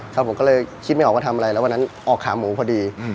ผมก็เลยคิดไม่ออกว่าทำอะไรแล้ววันนั้นออกขาหมูพอดี